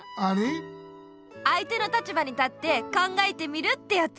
相手の立場に立って考えてみるってやつ。